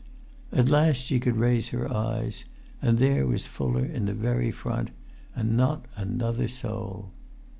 At last she could raise her eyes; and there was Fuller in the very front; and not another soul.